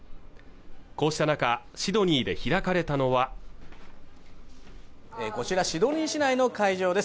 こうした中シドニーで開かれたのはこちらシドニー市内の会場です